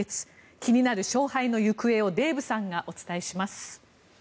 気になる勝敗の行方をデーブさんがお伝えします。